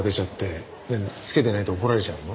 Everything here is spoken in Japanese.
つけてないと怒られちゃうの？